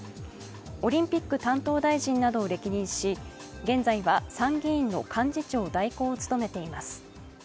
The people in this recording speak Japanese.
オリンピック担当大臣などを歴任し、現在は参議院の幹事長代行を務めています。